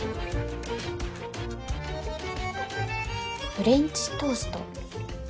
フレンチトースト？